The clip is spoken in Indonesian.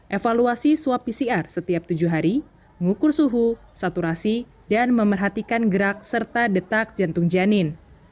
evaluasi swab pcr setiap tujuh hari mengukur suhu saturasi dan memerhatikan gerak serta detak jantung janin